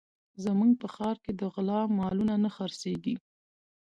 زموږ په ښار کې د غلا مالونه نه خرڅېږي